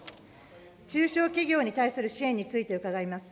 中小企業に対する支援について伺います。